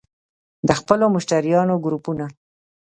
- د خپلو مشتریانو ګروپونه